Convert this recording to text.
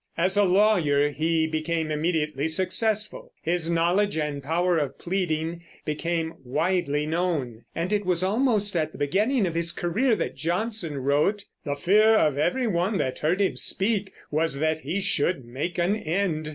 As a lawyer he became immediately successful; his knowledge and power of pleading became widely known, and it was almost at the beginning of his career that Jonson wrote, "The fear of every one that heard him speak was that he should make an end."